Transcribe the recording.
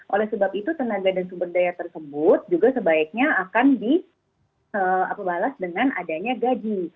oleh sebab itu tenaga dan sumber daya tersebut juga sebaiknya akan dibalas dengan adanya gaji